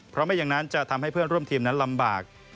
เพราะไม่อย่างนั้นจะทำให้เพื่อนร่วมทีมนั้นลำบาก